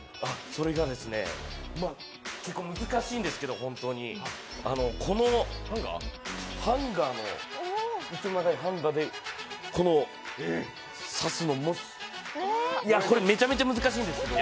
それがですね、結構難しいんですけど、本当に、このハンガーで、この差すのめちゃめちゃ難しいんですけど。